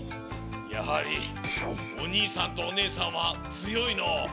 やはりおにいさんとおねえさんはつよいのう。